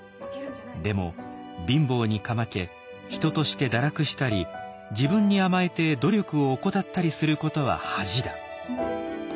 でも貧乏にかまけ人として堕落したり自分に甘えて努力を怠ったりすることは恥だ。